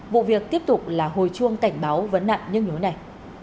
vụ việc tiếp tục là hồi chuông cảnh báo vấn nặng nhưng nhối này